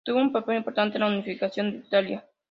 Tuvo un papel importante en la unificación de Italia.